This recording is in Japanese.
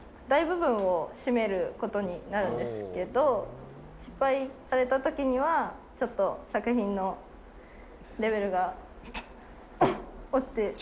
大部分を占めることになるんですけど、失敗されたときには、ちょっと作品のレベルが、落ちて。